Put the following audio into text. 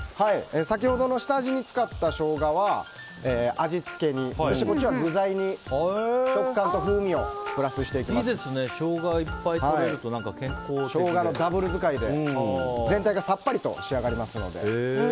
先ほどの下味に使ったショウガは味付けにして、こちらは具材として食感と風味をショウガいっぱいとれるとショウガのダブル使いで全体がさっぱりと仕上がります。